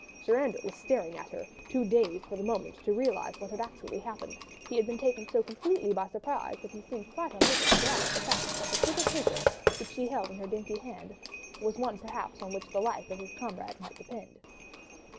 Sir Andrew was staring at her, too dazed for the moment to realise what had actually happened; he had been taken so completely by surprise, that he seemed quite unable to grasp the fact that the slip of paper, which she held in her dainty hand, was one perhaps on which the life of his comrade might depend.